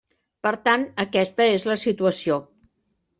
Per tant, aquesta és la situació.